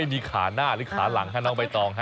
มีขาหน้าหรือขาหลังค่ะน้องใบตองฮะ